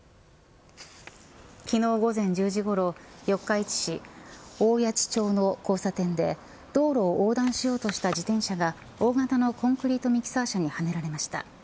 昨日、午前１０時ごろ四日市市大矢知町の交差点で道路を横断しようとした自転車が大型のコンクリートミキサー車にはねられました。